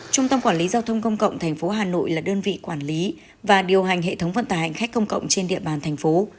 trung tâm quản lý giao thông công cộng tp hà nội là đơn vị quản lý và điều hành hệ thống vận tải hành khách công cộng trên địa bàn thành phố